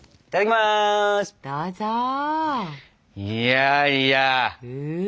いやいや。